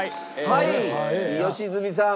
はい良純さん！